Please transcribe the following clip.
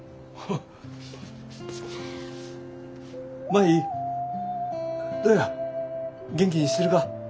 舞どや元気にしてるか？